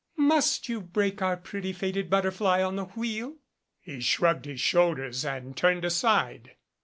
Must you break our pretty faded but terfly on the wheel?" He shrugged his shoulders and turned aside.